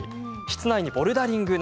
室内にボルダリング。